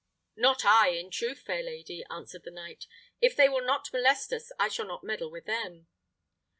"Not I, in truth, fair lady," answered the knight. "If they will not molest us, I shall not meddle with them."